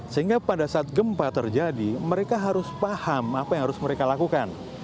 sehingga pada saat gempa terjadi mereka harus paham apa yang harus mereka lakukan